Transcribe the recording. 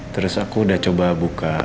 terus aku udah coba buka